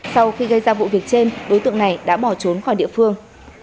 sau khi gây ra vụ việc trên đối tượng này đã bỏ trốn khỏi địa phương